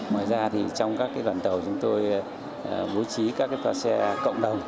ngoài ra thì trong các vần tàu chúng tôi bố trí các tòa xe cộng đồng